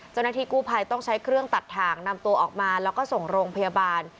เจ้าหน้าที่กู้ภัยต้องใช้เครื่องตัดถ่างนำตัวออกมาแล้วก็ส่งโรงพยาบาล